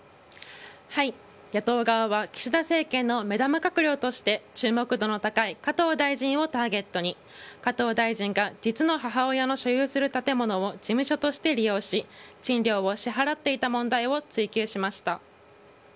野党側は岸田政権の目玉閣僚として注目度の高い加藤大臣をターゲットに、加藤大臣が実の母親の所有する建物を事務所として利用し、賃料を支払っていた問題を追及しました。